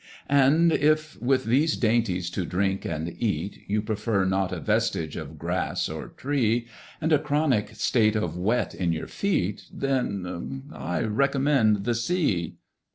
And if, with these dainties to drink and eat, You prefer not a vestige of grass or tree, And a chronic state of wet in your feet, Then—I recommend the Sea.